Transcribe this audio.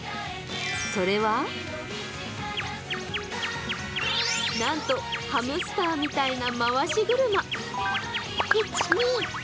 それはなんとハムスターみたいな回し車。